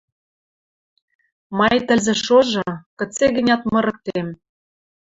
— Май тӹлзӹ шожы — кыце-гӹнят мырыктем.